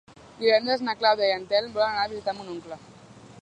Divendres na Clàudia i en Telm volen anar a visitar mon oncle.